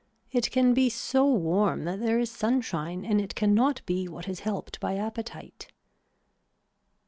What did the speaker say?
It can be so warm that there is sunshine and it can not be what is helped by appetite.